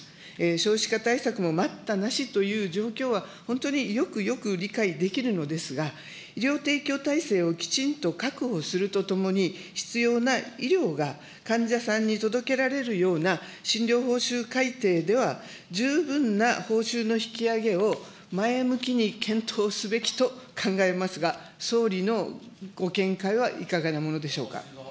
少子化対策も待ったなしという状況は、本当によくよく理解できるのですが、医療提供体制をきちんと確保するとともに、必要な医療が患者さんに届けられるような診療報酬改定では十分な報酬の引き上げを前向きに検討すべきと考えますが、総理のご見解はいかがなものでしょうか。